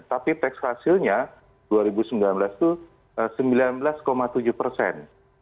tapi tax hasilnya dua ribu sembilan belas itu sembilan belas tujuh persen